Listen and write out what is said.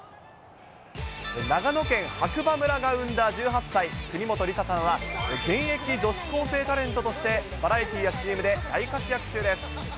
長野県白馬村が生んだ１８歳、国本梨紗さんは現役女子高生タレントとして、バラエティーやＣＭで大活躍中です。